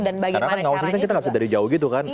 karena kan ngawasin kita nggak bisa dari jauh gitu kan